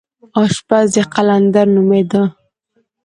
اشپز یې قلندر نومېده.